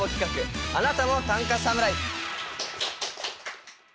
「あなたも短歌侍」。